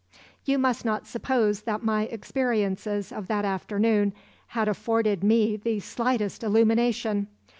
"You must not suppose that my experiences of that afternoon had afforded me the slightest illumination.